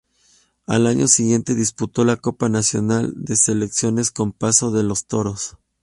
Al año siguiente disputó la Copa Nacional de Selecciones con Paso de los Toros.